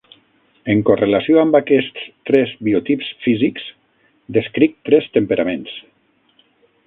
En correlació amb aquests tres biotips físics, descric tres temperaments.